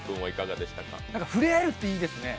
触れ合えるっていいですね。